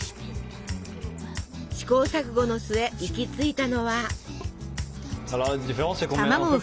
試行錯誤の末行き着いたのは。